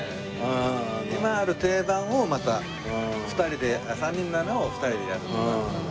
今ある定番をまた２人で３人なのを２人でやるとか。